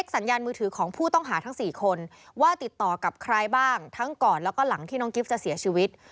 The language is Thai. สัญญาณมือถือของผู้ต้องหาทั้ง๔คนว่าติดต่อกับใครบ้างทั้งก่อนแล้วก็หลังที่น้องกิฟต์จะเสียชีวิต